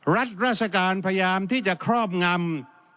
รัฐราชการพยายามที่จะครอบงำ